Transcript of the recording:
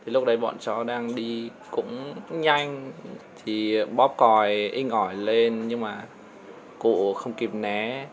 lúc đấy bọn cháu đang đi cũng nhanh thì bóp còi ing ỏi lên nhưng mà cụ không kịp né